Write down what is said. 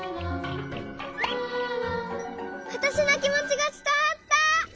わたしのきもちがつたわった。